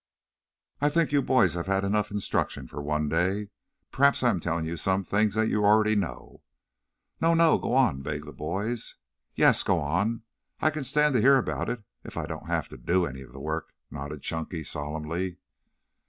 "I think you boys have had enough instruction for one day. Perhaps I am telling you some things that you know already?" "No, no; go on," begged the boys. "Yes, go on, I can stand it to hear about it, if I don't have to do any of the work," nodded Chunky solemnly.